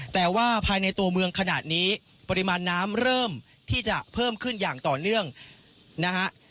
แต่ว่าภายในตัวเมืองขนาดนี้ปริมาณน้ำเริ่มที่จะเพิ่มขึ้นอย่างต่อเนื่องนะฮะ